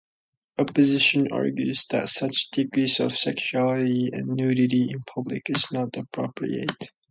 Opposition argues that such degrees of sexuality and nudity in public is not appropriate.